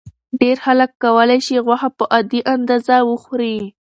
ډېر خلک کولی شي غوښه په عادي اندازه وخوري.